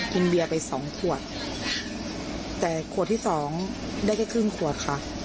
เบียร์ไปสองขวดแต่ขวดที่สองได้แค่ครึ่งขวดค่ะ